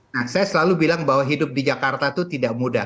nah saya selalu bilang bahwa hidup di jakarta itu tidak mudah